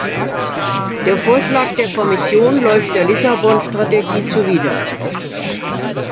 Der Vorschlag der Kommission läuft der Lissabon-Strategie zuwider.